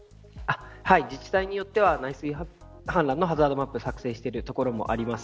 自治体によっては内水氾濫のハザードマップを作成しているところもあります。